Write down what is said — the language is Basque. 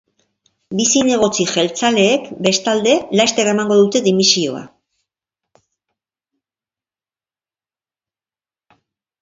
Bi zinegotzi jeltzaleek, bestalde, laster emango dute dimisioa.